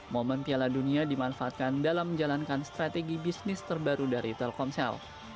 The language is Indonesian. momen piala dunia dimanfaatkan dalam menjalankan strategi bisnis terbaru dari telkomsel